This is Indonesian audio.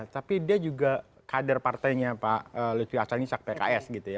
tapi dia juga kader partainya pak lepih hasan ishak pks gitu ya